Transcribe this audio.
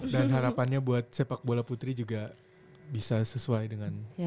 dan harapannya buat sepak bola putri juga bisa sesuai dengan kita